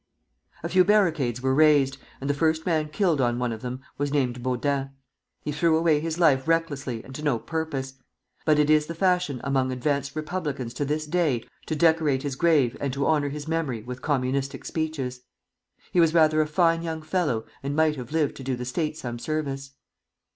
A few barricades were raised, and the first man killed on one of them was named Baudin. He threw away his life recklessly and to no purpose; but it is the fashion among advanced republicans to this day to decorate his grave and to honor his memory with communistic speeches. He was rather a fine young fellow, and might have lived to do the State some service.